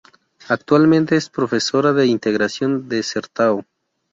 Actualmente es profesora de Integración de Sertão.